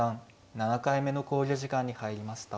７回目の考慮時間に入りました。